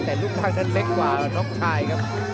แต่รูปร่างนั้นเล็กกว่าน้องชายครับ